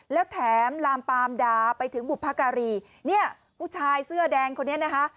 แล้วแถมลามปามด่าไปถึงบุพการีเนี่ยผู้ชายเสื้อแดงคนนี้นะคะ